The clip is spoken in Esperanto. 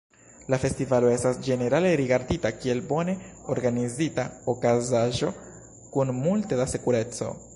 La festivalo estas ĝenerale rigardita kiel bone organizita okazaĵo, kun multe da sekureco.